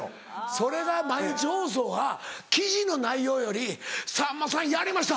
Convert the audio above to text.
それが毎日放送が記事の内容より「さんまさんやりました